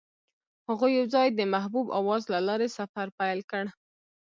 هغوی یوځای د محبوب اواز له لارې سفر پیل کړ.